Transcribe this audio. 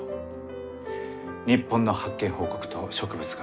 日本の発見報告と植物画。